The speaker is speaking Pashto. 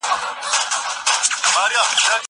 زه له سهاره تمرين کوم!؟